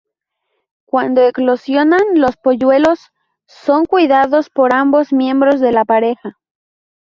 Cuando eclosionan los polluelos son cuidados por ambos miembros de la pareja.